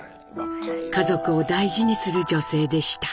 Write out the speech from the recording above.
家族を大事にする女性でした。